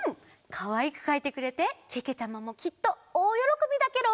かわいくかいてくれてけけちゃまもきっとおおよろこびだケロ。